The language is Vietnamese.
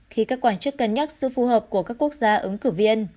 khi các quan chức cân nhắc sự phù hợp của các quốc gia ứng cử viên